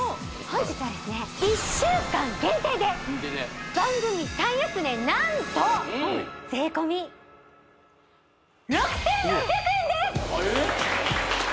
本日はですね１週間限定で番組最安値何と税込６６００円です！えっ！？